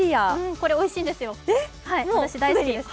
これ、おいしいんですよ、私大好き。